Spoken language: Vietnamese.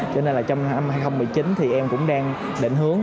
cho nên là trong năm hai nghìn một mươi chín thì em cũng đang định hướng